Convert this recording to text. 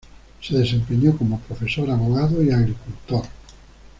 Se desempeñó como profesor, abogado y agricultor.